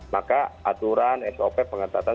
maka aturan sop pengesatan